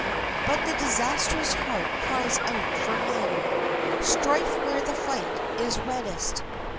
But the disastrous heart cries out for men, Strife where the fight is reddest.